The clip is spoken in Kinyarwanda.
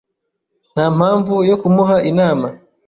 Nta mpamvu yo kumuha inama.